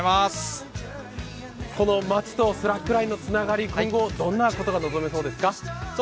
町とスラックラインのつながり、今後どんなことが望めそうですか？